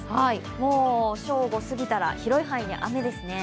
もう正午すぎたら広い範囲で雨ですね。